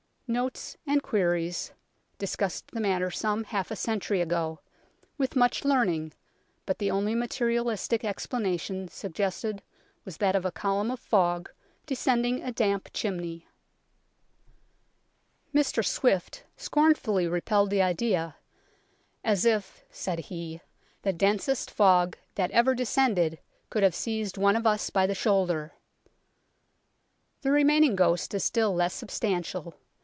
Notes and Queries discussed the matter some half a century ago, with much learning, but the only materialistic explanation suggested was that of a column of fog descending a damp chimney. 64 UNKNOWN LONDON Mr Swifte scornfully repelled the idea. "As if (said he) the densest fog that ever descended could have seized one of us by the shoulder !" The remaining ghost is still less substantial.